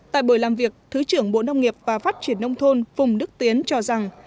tại buổi làm việc thứ trưởng bộ nông nghiệp và phát triển nông thôn phùng đức tiến cho rằng